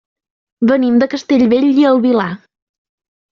Venim de Castellbell i el Vilar.